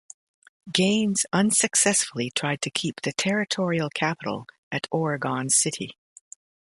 Gaines unsuccessfully tried to keep the territorial capital at Oregon City.